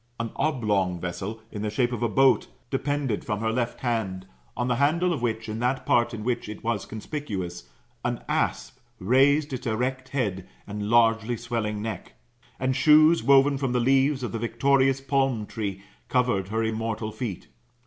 An oblong vessel, in the shape of a boat, depended from her left hand, on the handle of which, in that part in which it was conspicuous, an asp raised its erect head and largely swelling neck. And shoes woven from the. leaves of the victorious palm tree covered her immortal feet.